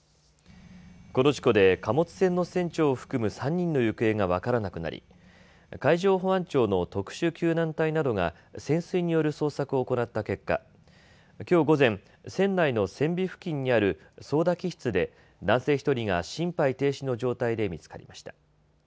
この事故で貨物船の船長を含む３人の行方が分からなくなり、海上保安庁の特殊救難隊などが潜水による捜索を行った結果、きょう午前、船内の船尾付近にある操だ機室で男性１人が心肺停止の状態で見つかりました。